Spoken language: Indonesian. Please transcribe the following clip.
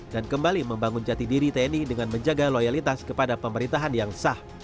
dan kembali membangun jati diri tni dengan menjaga loyalitas kepada pemerintahan yang sah